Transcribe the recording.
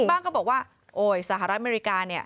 บ้างก็บอกว่าโอ๊ยสหรัฐอเมริกา